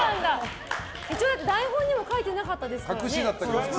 台本にも書いてなかったですからね。